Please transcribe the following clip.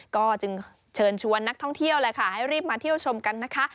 ก็จึงเชิญชวนนักท่องเที่ยวแหละค่ะให้รีบมาเที่ยวชมกันนะคะ